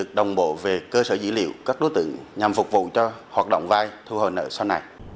tổ chức đồng bộ về cơ sở dữ liệu các đối tượng nhằm phục vụ cho hoạt động vai thu hồi nợ sau này